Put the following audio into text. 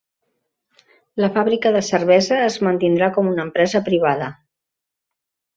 La fàbrica de cervesa es mantindrà com una empresa privada.